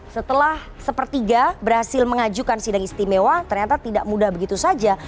setelah sepertiga berhasil mengajukan sidang istimewa ternyata tidak mudah begitu saja